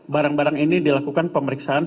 barang barang ini dilakukan pemeriksaan